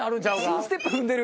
ツーステップ踏んでる。